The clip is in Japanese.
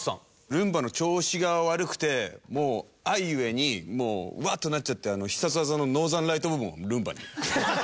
ルンバの調子が悪くてもう愛ゆえにワーっとなっちゃって必殺技のノーザンライトボムをルンバに。